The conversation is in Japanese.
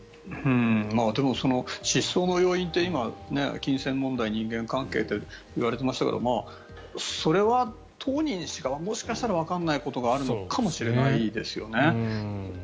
でも、失踪の要因って今、金銭問題、人間関係と言われていましたがそれは当人しかもしかしたらわからないことがあるのかもしれないですよね。